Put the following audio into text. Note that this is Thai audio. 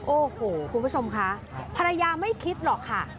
โอ้โหคุณผู้ชมคะภรรยาไม่คิดหรอกค่ะ